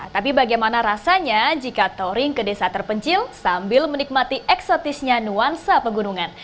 tapi bagaimana rasanya jika touring ke desa terpencil sambil menikmati eksotisnya nuansa pegunungan